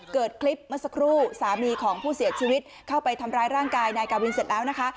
เกิดคลิปเมื่อสักครู่สามีของผู้เสียชีวิตเข้าไปทำร้ายร่างกายนายกาวินเสร็จแล้วนะคะ